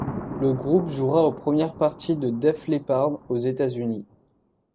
Le groupe jouera en première partie de Def Leppard aux États-Unis.